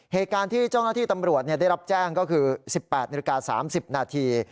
เหตุการณ์ที่เจ้าหน้าที่ตำรวจได้รับแจ้งก็คือ๑๘นาฬิกา๓๐นาที